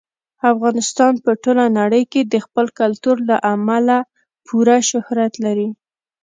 افغانستان په ټوله نړۍ کې د خپل کلتور له امله پوره شهرت لري.